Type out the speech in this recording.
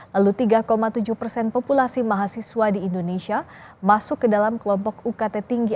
lalu tiga tujuh persen populasi mahasiswa di indonesia masuk ke dalam kelompok ukt tinggi